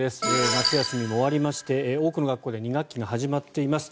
夏休みも終わりまして多くの学校で２学期が始まっています。